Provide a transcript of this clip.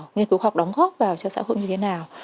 nghiên cứu khoa học đóng góp vào cho xã hội như thế nào